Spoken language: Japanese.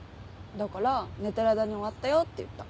だから寝てる間に終わったよって言った。